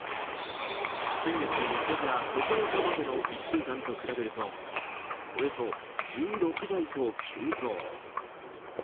先月３日から９日までの１週間と比べるとおよそ１６倍と急増。